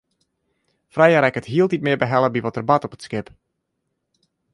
Freya rekket hieltyd mear behelle by wat der bart op it skip.